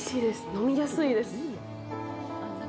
飲みやすいです。